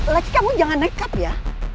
lagi kamu jangan nekat ya